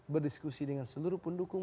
berdiskusi dengan seluruh pendukung